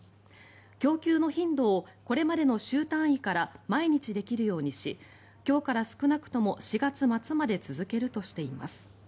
供給の頻度をこれまでの週単位から毎日できるようにし今日から少なくとも４月末まで続けるとしています。